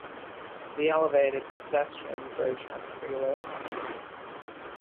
The elevated pedestrian bridge has three lifts.